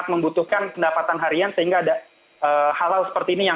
rp sepuluh juta penerima